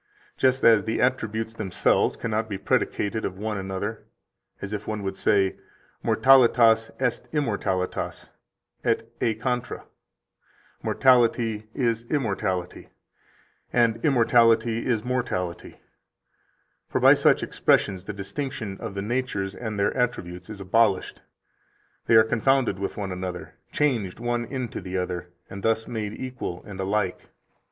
Just as the attributes themselves cannot be predicated of one another, as if one would say: Mortalitas est immortalitas, et e contra; "Mortality is immortality," and immortality is mortality; for by such expressions the distinction of the natures and their attributes is abolished, they are confounded with one another, changed one into the other, and thus made equal and alike.